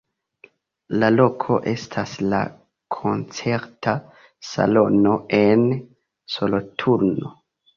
La loko estas la koncerta salono en Soloturno.